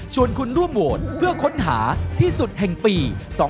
คุณร่วมโหวตเพื่อค้นหาที่สุดแห่งปี๒๕๖